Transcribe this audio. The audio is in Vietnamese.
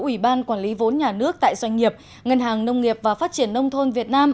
ủy ban quản lý vốn nhà nước tại doanh nghiệp ngân hàng nông nghiệp và phát triển nông thôn việt nam